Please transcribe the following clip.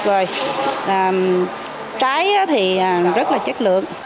rồi trái thì rất là chất lượng